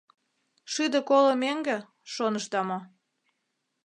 Шӱдӧ коло меҥге, шонышда мо?